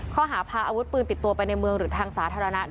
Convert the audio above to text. ข้อหาพาอาวุธปืนติดตัวไปในเมืองหรือทางสาธารณะ